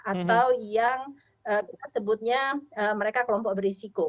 atau yang disebutnya mereka kelompok berisiko